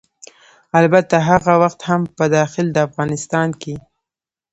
البته هغه وخت هم په داخل د افغانستان کې